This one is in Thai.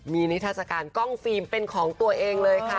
มีนิทัศกาลกล้องฟิล์มเป็นของตัวเองเลยค่ะ